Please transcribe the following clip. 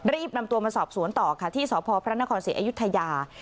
นำตัวมาสอบสวนต่อค่ะที่สพพระนครศรีอยุธยา